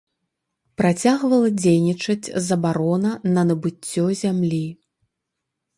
Працягвала дзейнічаць забарона на набыццё зямлі.